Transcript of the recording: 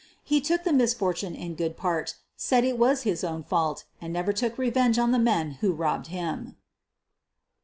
He took the misfortune in good part, said it was his own fault, and never took revenge on the men who robbed him.